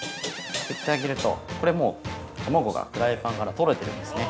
振ってあげるとこれは、もう卵がフライパンから取れてるんですね。